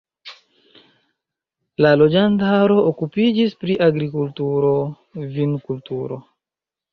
La loĝantaro okupiĝis pri agrikulturo, vinkulturo.